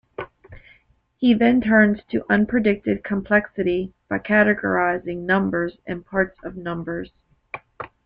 He then turns to unpredicted complexity by categorizing numbers and parts of numbers.